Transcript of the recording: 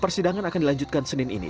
persidangan akan dilanjutkan senin ini